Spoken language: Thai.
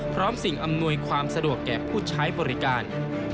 สิ่งอำนวยความสะดวกแก่ผู้ใช้บริการ